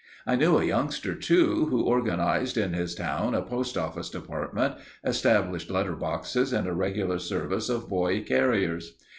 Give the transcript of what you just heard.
I knew a youngster, too, who organized in his town a postoffice department, established letter boxes and a regular service of boy carriers.